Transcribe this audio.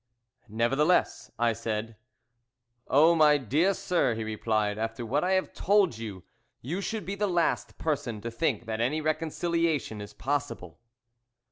"Nevertheless ," I said "Oh, my dear sir," he replied, "after what I have told you, you should be the last person to think that any reconciliation is possible."